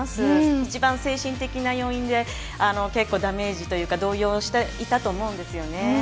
一番精神的な要因で、結構ダメージというか、動揺していたと思うんですね。